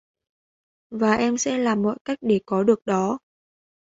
Và em sẽ làm mọi cách để có được đó